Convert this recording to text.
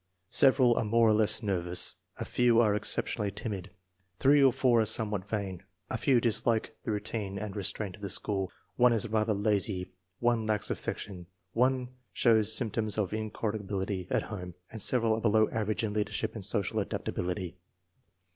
Several are more or less nervous, a few are exceptionally timid, three or four are somewhat vain, a few dislike the rou tine and restraint of the school, one is rather lazy, one lacks affection, one shows symptoms of incorrigibility at home, and several are below average in leadership and social adaptability.